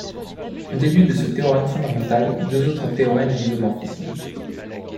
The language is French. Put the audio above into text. On déduit de ce théorème fondamental deux autres théorèmes d'isomorphisme.